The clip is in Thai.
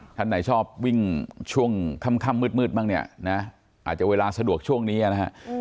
ท่านไหนชอบวิ่งช่วงค่ำมืดบ้างเนี่ยนะอาจจะเวลาสะดวกช่วงนี้นะฮะ